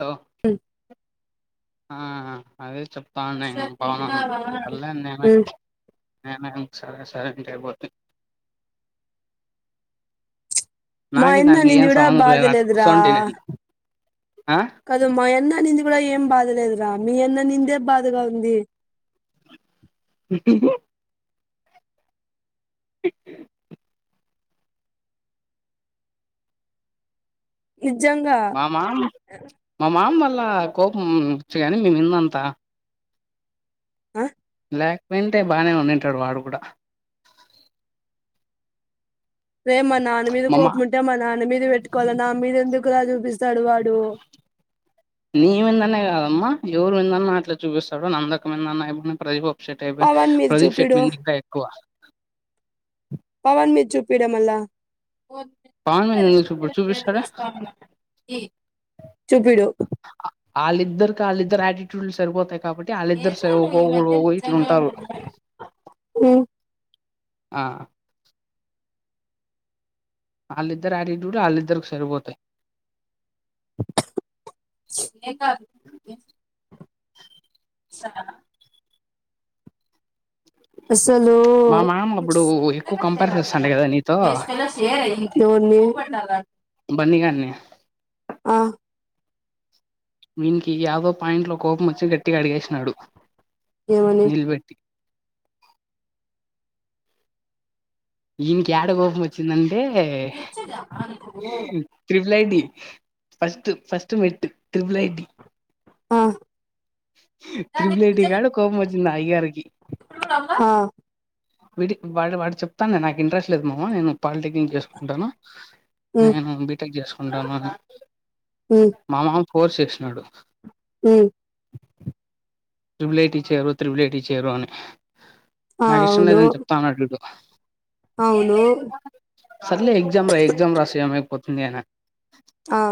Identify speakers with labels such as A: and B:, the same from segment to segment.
A: Hello ఆ ఆ ఆ అదే చెప్తాండాయన బావున్నవన్న పర్లే [inaudible] సరే సరే ఇంటకి పోతే
B: మాయన్న అనింది గుడ
A: లేనట్లు
B: బాదలేదురా,
A: కూర్చోంటి నేను ఆ
B: కదు మాయన్న నింది గూడ ఏం బాధలేదురా మీ అన్నన్నిందే బాధగా ఉంది.
A: టుబ మామా మామామ్మళ్ళ లా కోపం వచ్చిదిగాని నిన్నంత
B: ఆ
A: లేక్పోయుంటే బాగానే ఉం తింటడు వాడుగుడా.
B: రే మా నాన్న మీద
A: మామ్మ
B: కోపముంటే మా నాన్న మీద పెట్టుకోవాల, నా మీద ఎందుకురా చూపిస్తాడు వాడు?
A: ఎవరు ఎన్నన్నా అట్లా చూపిస్తాడు నందక [unintelligible] షటైపోయింది ప్రదీప్ షెట్మిద్ ఇంకా ఎక్కువ
B: పవన్మిెదిజూపీరా మళ్ళ
A: పవనెందుకు చూపిస్తాడ
B: చూపిడు
A: ఆళ్ళిద్దరికాళ్ళిద్దర్ ఆటిట్యూ టుడ్లు సరిపోతాయ్ క కాబట్టి ఆళ్ళిద్దరు సర్ ఒకో ఒక ఒకడ్ ఇట్లుంటారు. ఆ ఆళ్ళిద్దరి ఆటిట్యూడ్ ఆళ్ళిద్దరికి సరిపోతయ్
B: ఏ కాదు [inaudible] అసలు
A: మా మామ అప్పుడు ఎక్కువ కంపేర్ చేస్తాండే కదా నీతో
B: ను నేన్
A: బన్ని గాన్ని
B: ఆ
A: వీన్కి ఈయాగవ్ పాయింట్ లో కోపం వచ్చి గట్టిగా అడిగేసినాడు
B: ఏమని
A: నిలబెట్టి ఈనికి ఏడ కోపం వచ్చిందంటీ ట్రిబుల్ ఐటీ ఫస్ ఫస్ మట్ త్రిరుపులటి
B: ఆ
A: ట్రిపుల్ ఐటీ కాడ కోపం వచ్చింది అయగారికి
B: ఆ
A: వడి వాడి వాడు చెప్తానే నాకు ఇంట్రెస్ట్ లేదు మామ నేను పాలిటెక్నిక్ చేసుకుంటాను
B: ఉమ్
A: నేను బిటెక్ చేసుకుంటాను మామ ఫోర్స్ చేసినాడు
B: హ
A: ట్రిబులైట్ చేరు త్రిబులైట్ చేరు అని
B: ఆ
A: నాకు ఇష్టం
B: అవును
A: లేదని చెప్తా అన్నడు వీడు
B: అవును
A: ఎగ్జామ్ రాయి ఎగజామ్ రాసి అమె పోతుంది అనే
B: ఆ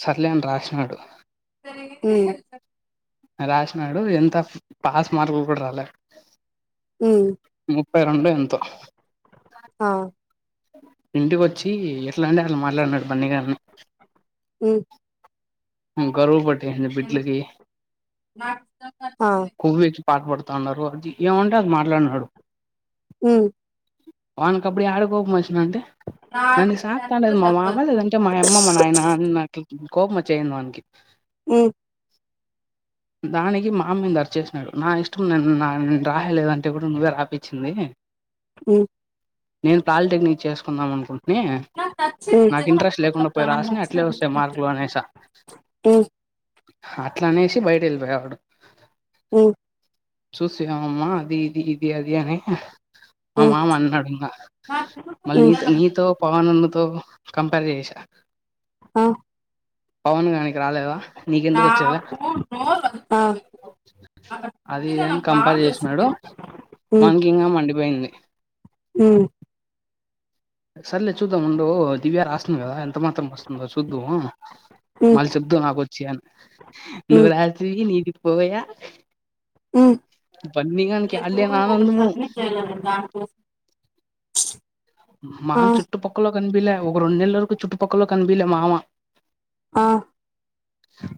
A: సర్లే అని రాసినాడు
B: అ
A: రాసినాడు ఎంత పాస్ మార్కులు కూడా రాలేదు
B: హ
A: పై రెండు ఎంతో
B: ఆ
A: ఇంటికి వచ్చి అట్లాంటే అట్లా మాట్లాడినాడు బన్నీ గాని
B: ఉమ్
A: కవ పడ బిడ్ట్టలకి
B: ఆ
A: కొవ్వు పాటపడుతున్నారు అది ఏమంటే అది మాట్లాడినాడు
B: అ
A: వాన్ కబడి ఆడుకోక మచ్చిన అంటే నన్ని సాకాతాంటది మా మామ లేదంటే మా అమ్మ మా నాయన అని నాకు కోపం చేసేసింది వాడికి
B: ఆ
A: దానికి మామ మీద అరిచేసినాడు నా ఇష్టం నేు రాయలేదంటే కూడా నువ్వే రాపించింది
B: ఆ
A: నేను పాలిటెక్నిక్ చేసుకుందాం అనుకుంటాను నాకు ఇంట్రెస్ట్ లేకుండా పోయి రాసిన అట్లే వస్తాయి మార్కులు అనేసా
B: ఉమ్
A: అట్లా అనేసి బయట వెళ్ళిపోయవాడు
B: ఓ
A: చూసామమ్మా అది ఇది ఇది అది అని
B: ఉమ్
A: మా
B: ఉమ్
A: మామ అన్నాడు ఇంకా మళ్ళీ నీతో నీతో పవన్ంద సో కంపేర్ చేసా
B: ఆ
A: పవన్ కాగానీ రాలేదా నీకెందుకు వచ్చేదా
B: ఆ
A: అది ఇదని కంపేర్ చేసినాడు మనకి ఇంకా మండిపోయింది
B: హ
A: సల్లే చూదాముం దవ రాస్తున్నాం కదా ఎంత మాత్రం వస్తుందో చూద్దవు
B: ఉమ్
A: మళ్ళీ చెప్దుావు నాకు వచ్చి అని నువ్వు రాసి నీది వయా
B: రే
A: ఆడలేని
B: ఒకటి
A: ఆనందము
B: సబ్మిట్ చేయగలనుడి దానికోసం
A: మను చుట్టు పక్కలో క కనిపిలే ఒక రెండు నెల వరకు చుట్టుపక్కల కనిపిలే మామ
B: ఆ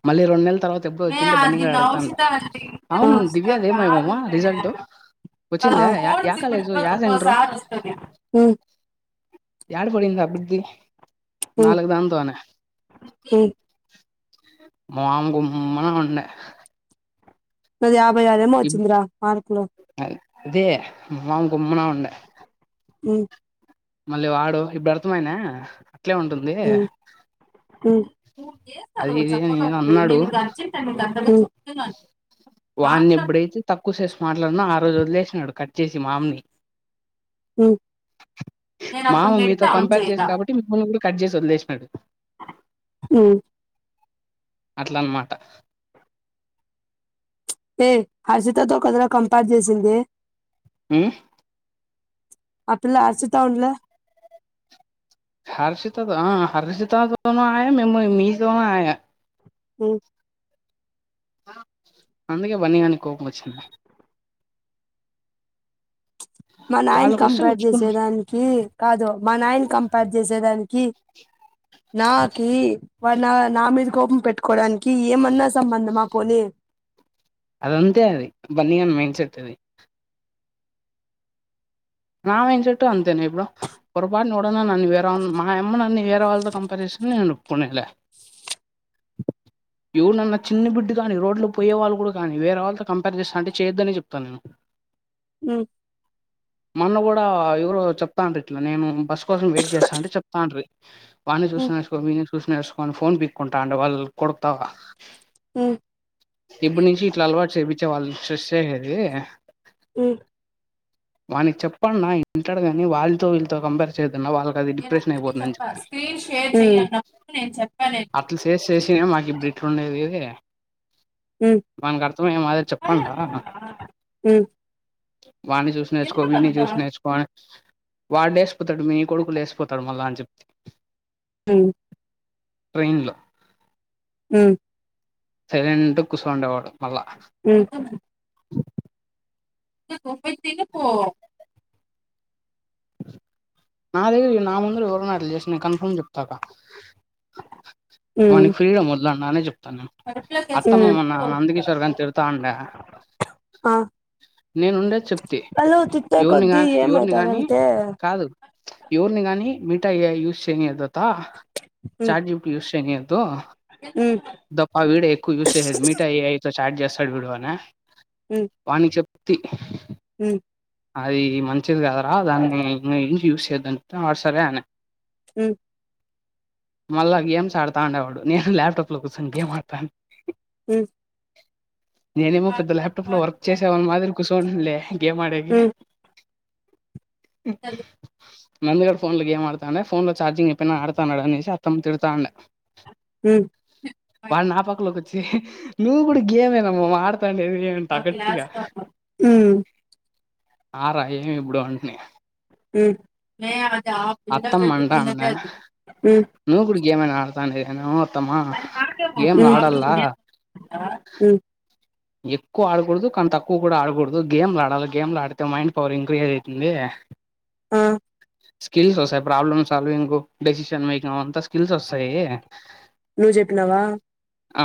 A: మళ్ళీ రెండు నెల
B: మే అదిన్ ఔషిత అ
A: అవును
B: ఇంతఔషిత కాదు
A: దివ్యాదేమోమమ్మా
B: మే
A: రిజల్ట్ వచ్చిందా యా యా
B: ఫడ్సిడి
A: కాలేజు
B: బర్
A: యా
B: ఒక
A: సెంటరు
B: సార్ వస్తంది
A: యాడ పోయింది అప్పుడు ది
B: ఉమ్
A: నాలుగు దానితోనే
B: ఉమ్
A: మాం గుమ్మన ఉండే
B: నాది అప్ మూపైఐదు ఏమో
A: ఇబ్-
B: వచ్చిందిరా మార్కులు
A: అదే మాం గుమ్మనా ఉండే
B: ఉ
A: మళ్ళీ వాడు ఇప్పుడు అర్థమైయిందా
B: మూడు చేస్తా అద
A: అది ఇది అని ఏదో
B: చెప్పకప్పుడు
A: అన్నాడు
B: నేను అర్జెంట్ అన్ని
A: వాని ఎప్పుడైతే తక్కువ చేసి మాట్లాడున ఆ రోజు వదిలి వేసినాడు కట్ వచ్చేసి మామ్ని
B: ఉమ్
A: మామ మీతో కంపేర్ చేస కాబట్టి మిమ్మల్ని కూడా కట్ చేసి వదిలేసినాడు
B: ఉ
A: అట్లన్నమాట
B: ఏయ హర్షితతో కదర కంపేర్ చేసింది
A: ఉ
B: ఆ పిల్ల హర్షిత ఉండలే
A: హర్షితతో ఆ హర్షితతోన ఆయా మేము మీతోన ఆయా
B: ఉ
A: అందుకే బన్నీ గానికి కోపం వచ్చింది
B: మా నాయన
A: వాళ్ళకొస్తే
B: కంపేర్
A: ఉచ్చుకుని
B: చేసేదానికి కాదు మా నాయన కంపేర్ చేసేదానికి నాకి వాడు నా నా మీద కోపం పెట్టుకోవడానికి కి ఏమన్న సంబంధమా పోనీ
A: అదంతే అది బన్నీగాని [unintelligible] నా మైండ్ సెట్ అంతే నా ఇప్పుడు పొరపాటున ఎవడన్నా నన్ను వేరే వాళ మా అమ్మ నన్ను వేరే వాళ్ళతో కంపేర్ చేస్తానే నేను ఒప్పుకునేలే ఎవరన్నా చిన్న బిడ్డు కాని రోడ్లు పోయే వాళ్ళు కూడా కాని వేరే వాళ్ళతో కంపేర్ చేస్తాను అంటే చేయొద్దనే చెప్తాను నేను
B: ఉ
A: మొన్న కూడా ఎవరు చెప్తాను ఇట్లా నేను బస్సు కోసం వెయిట్ చేస్తా అంటే చెప్తారి వాని చూసి నేర్చుకో విని చూసి చూసి నేర్చుకొని ఫోన్ పీక్కుంటంటే వాళ్ళు కొడతావా
B: ఉ
A: ఇప్పుడు నుంచి ఇట్లా అలవాటు చేపించే వాళ్ళు స్ట్రెస్ అయ్యేది
B: ఉ
A: వానికి చెప్పన్న ఇంటాడు కాని వాళ్ళతో వీళ్ళతో కంపేర్ చేయదు ఎదన్నా వాళ్ళకి అది డిప్రెషన్ అయిపోతుందని చెప్తే అట్లా చేసి చేసి మాకు ఇట్ల ఉండేది వానికి అర్ధంమై ఏ మాదిరి చెప్పండ్రా వాన్ని నేర్చుకో విన్నీ చూసి నేర్చుకో అనీ వాడు లేసిపోతాడు మీ కొడుకులు లేసిపోతాడు మళ్ళా అని చెప్దీ
B: ఉ
A: ట్రెయిన్ లో
B: ఉ
A: సైలెంట్ కూర్చ ఉండేవాడు
B: ఉ పప్పు అయితే తిని పో
A: నా దగ్గర నా ముందర ఎవరనా అట్లు చేసిన నేను కన్ఫర్మ్ చెప్తాక వాని ఫ్రీడమ్ వదిలే ఇలా అన్నానని చెప్తా అత్తమ్మ మొన్న నందకిశోర్ కాని తిడతాండా
B: ఆ
A: నేను ఉండేది చెప్తే
B: వాళ్ళు తిట్టే
A: ఎవరిని కా
B: కొద్దీ
A: ఎవరిని కానీ
B: ఏమైతారంటే
A: కాదు ఎవరిని గాని మిఠాయి గా యూస్ చేయనీయదు ఆ చాట్ జీపీటి యూస్ చెయ్యనీయద్దు
B: అది
A: ద అ వీడే ఎక్కువ యూస్ చేసేది మెటా ఏఐ తో చాట్ చేస్తాడు వీడు అన వానికి తి
B: ఉ
A: అది మంచిది కాదురా దాన్ని యూస్ చేయొద్దంటే ఆ సరే అంది
B: ఉ
A: మళ్ళా గేమ్స్ ఆడతా ఉండేవాడు నేను లాప్టాప్ అట్లా కూసోని గేమ్ ఆడుతాండు నేనేమో పెద్ద ల్యాప్టాప్ లో వర్క్ చేసా వాణి మాదిరి కూసులే గేమ్
B: ఊ
A: ఆడేకి
B: చదువు
A: మామూలుగా ఫోన్ లో గేమ్ ఆడుతూ ఉండే ఫోన్ లో చార్జింగ్ అయిపోయిన ఆడుతాన్నాడు అనేసి అత్తమ తిడతాంది
B: ఊ
A: పక్కలోకి నువ్వు కూడా గేమ్ మామ ఆడుతు
B: మా క్లాసులో ఆమె ఊ
A: ఆ రా ఏమి ఇప్పుడు అంటిని
B: ఊ మే అది ఆ పిల్ల
A: అత్తమ్మ
B: పెట్టుకున్నదే అది ఉ
A: ఏమైనా ఆడుతుండో ఏమో ఓ
B: అది మనకే మోసం ఊ ఆ పిల్ల తోని ఆహా ఊ
A: ఎక్కువ ఆడకూడదు కానీ తక్కువ కూడా ఆడకూడదు గేమ్లు ఆడాలి గేమ్లు ఆడితే మైండ్ పవర్ ఇంక్రీజ్ అవుతుంది
B: ఆ
A: స్కిల్స్ వస్తాయి ప్రాబ్లమ్ సాల్వింగ్ డెసిషన్ మేకింగ్ అంతా కిల్స్ వస్తాయి
B: నువ్వు చెప్పినావా
A: ఆ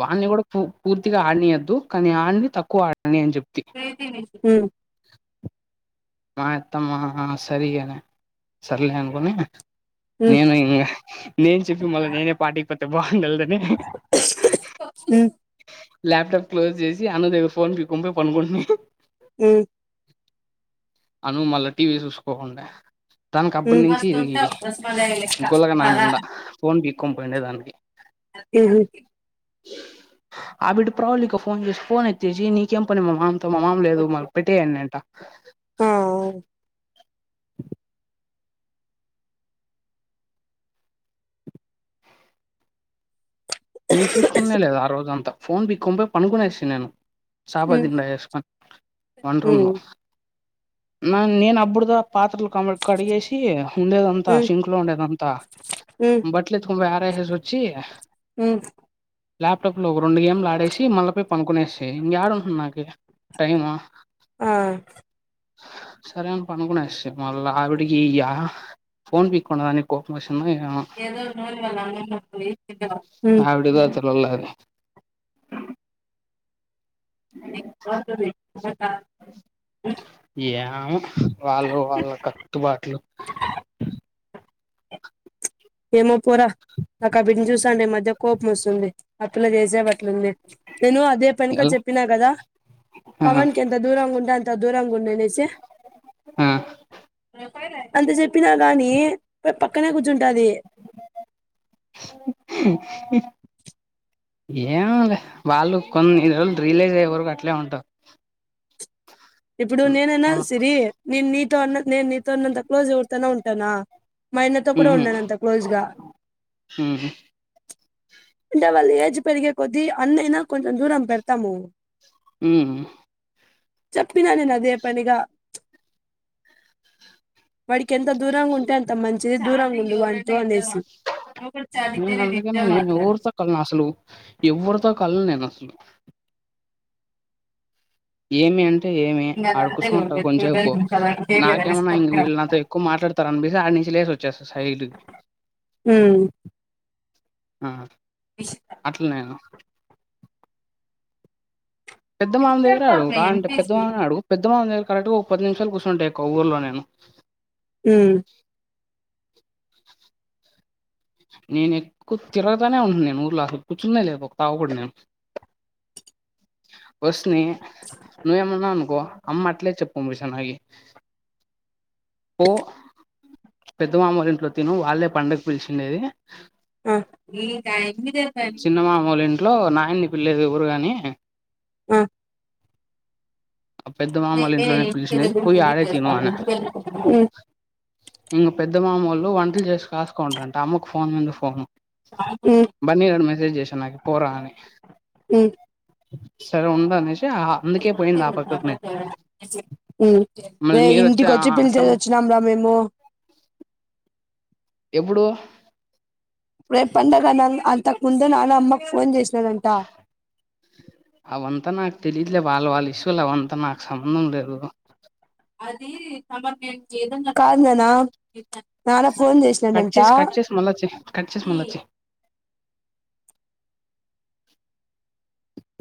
A: వాని కూడా పూర్తిగా ఆడనీయద్దు కానీ ఆన్ని తక్కువ ఆడ
B: లేసినేస్ హు
A: మా అత్తమ్మా సరి అని సర్లే అనుకొని నేను ఇంగా నేను చెప్పి మళ్ళీ నేనే పాటిఇయ్యకపోతే ఎబ్బ మెల్లఅని లాప్టాప్ క్లోజ్ చేసి అను దేవి ఫోన్ పీకు పోయి పడుకుంటన్నాము
B: హు
A: అను మళ్ళా టీవీ చూసుకోకుండా దానికి అప్పటి నుంచి గొలగా నా మీద ఫోన్ పికుం పోయిండే దానికి ఆ బిడ్ ప్రవళిక ఫోన్ చేసి ఫోన్ ఎత్తేసి నీకేం పని మామ మా మామ లేదు మ పెట్టేయ్ అని అంట
B: ఆ
A: నేను చూసుకున్నానే లేదు ఆ రోజంతా ఫోన్ బి కొంయి పనుకోనేసీనా నేను చపా దింద వేసుకొని వంట్ర రూమ్లో నా నేను అప్పుడుద పాత్రలు క కడిగేసి ఉండేదంతా సింక్లో ఉండేదంతా బట్టలు ఎత్తుకో [inaudible]
B: హ్మ్
A: ల్యాప్టాప్ లో ఒక రెండు గేమ్లు ఆడేసి మళ్ళీ పోయి పనుకునేసి ఇంకా ఏడుంటను నాక టైము
B: ఆ
A: సరే అని పనుకునే మళ్ళీ ఆవిడికి ఫోన్ పిక్ ఉన్నదాని కోపం వస్
B: ఏదో నోయ వళ్ళ అ
A: హవిడి గ ము వాళ్ళు వాళ్ళ కట్టుబాట్లు
B: ఏమో పోరా నాక ఆ బింన్ని చూస్తడే ఈ మధ్య కోపం వస్తుంది ఇలా చేసే పట్లు ఉంది నేను అదే పనికి
A: ఎలా
B: చెప్పినా కదా
A: ఆ
B: పవన్ కి ఎంత దూరం ఉంటే అంత దూరంగ గుండనేసి
A: ఆ
B: అంత చెప్పినా గాని పక్కనే కూర్చుంటాది
A: ఏమోలే వాళ్ళు కొన్ని రోజులు రియలైజ్ అయ్యే వరకు అట్లే ఉంటరు
B: ఇప్పుడు నేననా సిరి నను నీతో అన్న నేను నీతో అన్నంత క్లోజ్ ఉంటానా మా అన్నతో కూడా
A: ఉహు
B: ఉండను అంత క్లోజ్గా
A: ఉహు
B: అంటే వాళ్ళు ఏజ్ పెరిగే కొద్దీ అన్నయినా కొంచెం దూరం పెడతాము
A: మ్మ్
B: చెప్పినాను నేను అదే పనిగా వాడికి ఎంత దూరంగా ఉంటే అంత మంచి దూరంగా ఉందు అంటూ అనేసి ఇ చాలతేనే నేను ఇంతే మాట్లాడతా
A: క అసలు ఎవరితో కళ్ళ నేను అసలు ఏమి అంటే అంటే ఏమి ఆడు కూచూంటా కొంచసేపు నాకేమన్నా ఇంక వీళ్ళు నాతో ఎక్కువ మాట్లాడతారు అనిపిసి ఆడ నుంచి లేసి వచ్చేస్తా సైడ్కి
B: ఉమ్
A: ఆ అట్లా నేను పెద్ద మామ దేగ్గరే అడుగు కావంట పెద్దమని అడుగు పెద్ద మామ దగ్గర కరెక్ట్గా ఒక పది నిమిషాలు కూర్చుంటాయి ఈ కొవ్వూరులో నేను
B: హ్మ
A: నేను ఎక్కువ తిరగతానే ఉండను నేను ఊర్లా సళ్లూ కూర్చున్నా లేక ఒక తావు కూడా నేను వస్ని నువ్వు ఏమన్నా అనుకో అమ్మ అట్లే చెప్పంపిస్తాంది నాకి పో పెద్ద మమ్మొల ఇంట్లో తిను వాళ్ళే పండగ పిలిచి డేది
B: ఆ ఈ [unintelligible]
A: చిన్న మామోళ్ళ ఇంట్లో నయ్యని పిల్లేదు ఎవరు గానీ
B: ఆ
A: పెద్ద మామోళ్ళ
B: ఏ
A: ఇంట్లోనే పిలిచినది పోయి ఆడే
B: [unintelligible] ఉ
A: ఇంక పెద్ద మామోళ్ళు వంటలు చేసి కాసుకొండర్రంట అమ్మకు ఫోన్ మీద ఫోను బన్నీగాడు మెసేజ్ చేసాననాకి పోరా అని సరే ఉండ అనీష్ మళ్ళీ
B: రే
A: మీరు
B: ఇంటికి వచ్చి పిలిచేసి
A: అత్తమ్మ
B: వచ్చినాం రా మేము
A: ఎప్పుడు
B: రేపుండగా అనగ్ అంతకు ముందు నాన్నమ్మకు ఫోన్ చేస్
A: ఆవంత నక్ తెలిట్లే వాళ్ళు వాళ్ళు ఇష్యూలు ఆవంత నాకు సంబంధం లేదు
B: కాదు నానా
A: కట్ చేేసి కట్ చేేసి మళ్ళచేయి కట్ చేేస్ మళ్ళచే